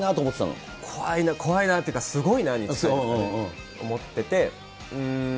怖いな、怖いなっていうか、すごいなみたいなに思ってて。